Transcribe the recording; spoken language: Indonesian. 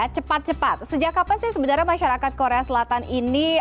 cepat cepat sejak kapan sih sebenarnya masyarakat korea selatan ini